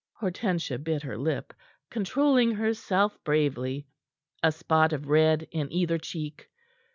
Hortensia bit her lip, controlling herself bravely, a spot of red in either cheek.